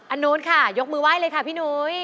อันนู้นค่ะยกมือไห้เลยค่ะพี่นุ้ย